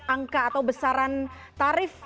angka atau besaran tarif